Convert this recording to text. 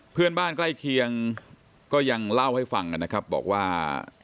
เพื่อนบ้านใกล้เคียงก็ยังเล่าให้ฟังนะครับบอกว่า